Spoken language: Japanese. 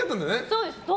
そうです。